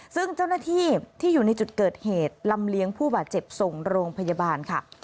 ซึ่งเจ้าหน้าที่ที่อยู่ในจุดเกิดเหตุลำเลียงผู้บาดเจ็บส่งโรงพยาบาลค่ะ